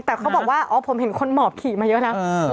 แต่เขาบอกว่าอ๋อผมเห็นคนหมอบขี่มาเยอะนะ